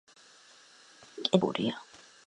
კედლებში მრავალი სათოფურია.